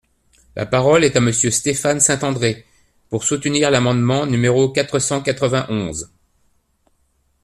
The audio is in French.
La parole est à Monsieur Stéphane Saint-André, pour soutenir l’amendement numéro quatre cent quatre-vingt-onze.